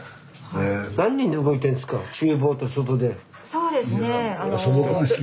そうですね。